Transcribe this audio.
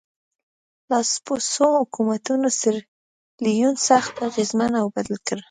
لاسپوڅو حکومتونو سیریلیون سخت اغېزمن او بدل کړ.